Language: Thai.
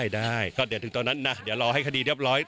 ได้ก็เดี๋ยวถึงตอนนั้นนะเดี๋ยวรอให้คดีเรียบร้อย